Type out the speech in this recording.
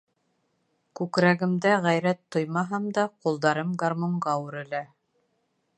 Күкрәгемдә ғәйрәт тоймаһам да, ҡулдарым гармунға үрелә.